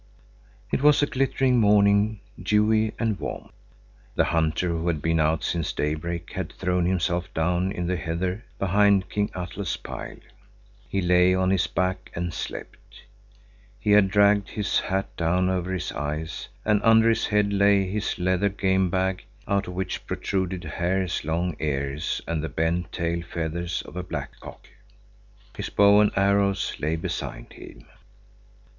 It was a glittering morning, dewy and warm. The hunter who had been out since daybreak had thrown himself down in the heather behind King Atle's pile. He lay on his back and slept. He had dragged his hat down over his eyes; and under his head lay his leather game bag, out of which protruded a hare's long ears and the bent tail feathers of a black cock. His bow and arrows lay beside him.